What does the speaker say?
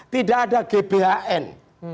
tidak ada gbhn